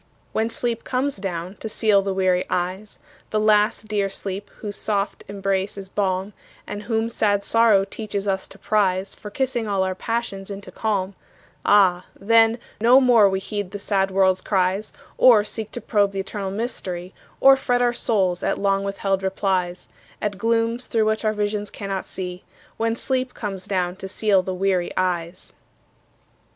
When sleep comes down to seal the weary eyes, The last dear sleep whose soft embrace is balm, And whom sad sorrow teaches us to prize For kissing all our passions into calm, Ah, then, no more we heed the sad world's cries, Or seek to probe th' eternal mystery, Or fret our souls at long withheld replies, At glooms through which our visions cannot see, When sleep comes down to seal the weary eyes.